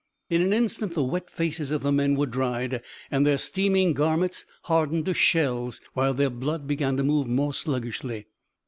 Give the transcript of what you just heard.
In an instant the wet faces of the men were dried and their steaming garments hardened to shells, while their blood began to move more sluggishly.